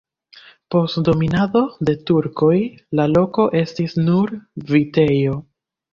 Post dominado de turkoj la loko estis nur vitejo.